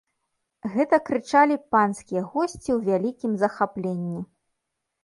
Гэта крычалі панскія госці ў вялікім захапленні.